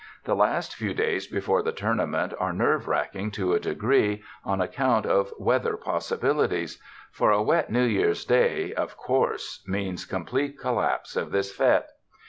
The last few days before the Tournament are nerve racking to a degree, on account of weather possibilities; for a wet New Year's Day, of course, means complete collapse of this fete.